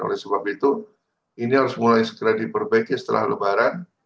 oleh sebab itu ini harus mulai segera diperbaiki setelah lebaran